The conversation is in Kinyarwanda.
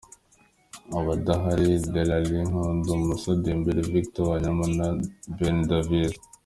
Abadahari:Dele Alli , N’Koudou, Moussa Dembélé, Victor Wanyama na Ben Davies.